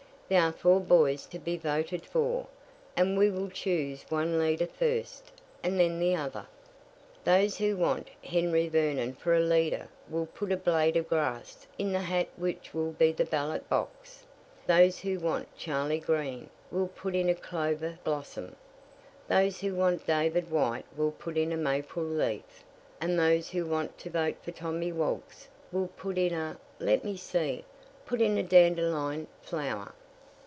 "There are four boys to be voted for; and we will choose one leader first, and then the other. "Those who want Henry Vernon for a leader will put a blade of grass in the hat which will be the ballot box; those who want Charley Green will put in a clover blossom; those who want David White will put in a maple leaf; and those who want to vote for Tommy Woggs will put in a let me see put in a dandelion flower."